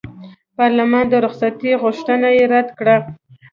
پارلمان د رخصتۍ غوښتنه یې رد کړه.